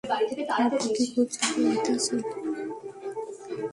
আপনি কি খুব চাপের মধ্যে আছেন?